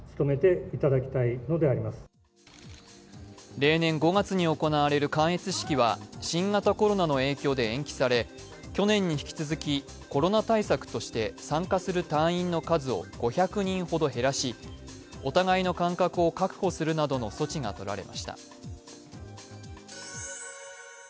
例年５月に行われる観閲式は新型コロナの影響で延期され昨年に引き続きコロナ対策として参加する隊員の数を５００人ほど減らしお互いの間隔を確保するなどの措置が取られました。